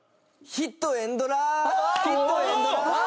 ヒットエンドラーン！